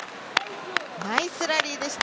ナイスラリーでした、